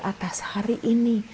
atas hari ini